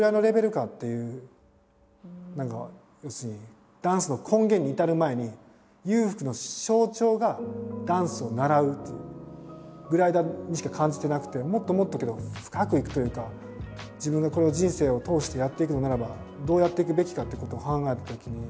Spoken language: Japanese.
何か要するにダンスの根源に至る前に裕福の象徴が「ダンスを習う」ぐらいにしか感じてなくてもっともっと深くいくというか自分がこれを人生を通してやっていくのならばどうやっていくべきかっていうことを考えたときに。